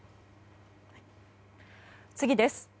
次です。